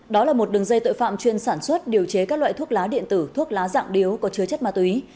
đó là một đường dây tội phạm chuyên sản xuất điều chế các loại thuốc lá điện tử thuốc lá dạng điếu có chứa chất ma túy